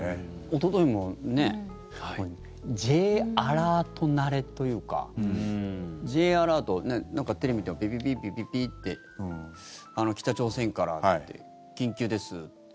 おとといもＪアラート慣れというかＪアラート、なんかテレビでもピピピッ、ピピピッて北朝鮮からっていって緊急です。